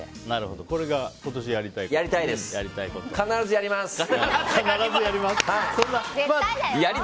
これが今年やりたいことだと。